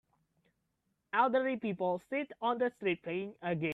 elderly people sit on the street playing a game.